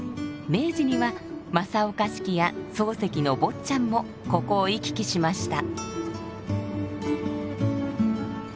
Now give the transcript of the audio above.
明治には正岡子規や漱石の坊っちゃんもここを行き来しました。